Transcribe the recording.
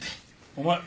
お前。